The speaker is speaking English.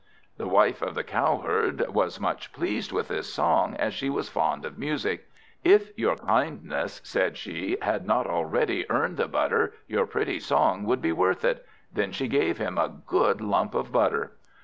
The wife of the Cowherd was much pleased with this song, as she was fond of music. "If your kindness," said she, "had not already earned the butter, your pretty song would be worth it." Then she gave him a good lump of butter.